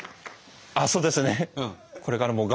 あっそうですね